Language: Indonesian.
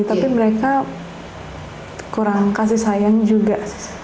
tapi mereka kurang kasih sayang juga